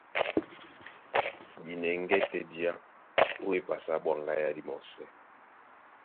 Di nɛŋgɛ́ tɛ́ diá ó epasi á ɓwaŋgá yá dimɔsɛ́.